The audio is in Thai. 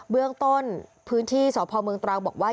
เบื้องต้นพื้นที่สพตรบอกว่า